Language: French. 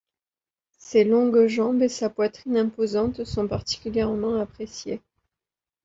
Ses longues jambes et sa poitrine imposante sont particulièrement appréciées.